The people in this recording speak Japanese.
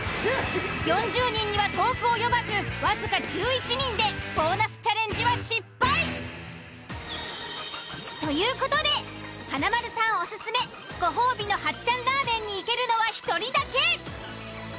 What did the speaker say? ４０人には遠く及ばず僅か１１人でという事で華丸さんオススメご褒美の「八ちゃんラーメン」に行けるのは１人だけ。